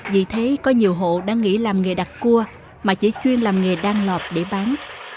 vì thế có nhiều hộ đang nghĩ làm nghề đặt cua mà chỉ chuyên làm nghề đan lọt để bán